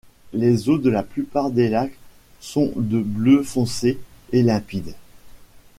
Les eaux de la plupart des lacs sont de bleu foncé et limpides.